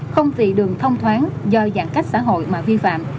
thông thoáng do giãn cách xã hội mà vi phạm